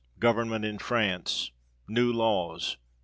Government in France. New laws.